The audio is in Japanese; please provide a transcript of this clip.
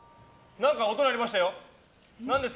何か音が鳴りました。